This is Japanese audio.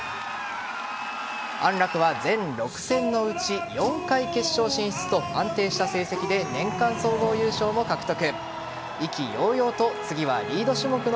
安楽は全６戦のうち４回決勝進出と安定した成績で年間総合優勝も獲得。